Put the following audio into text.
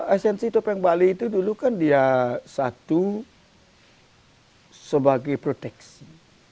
esensi topeng bali itu dulu kan dia satu sebagai proteksi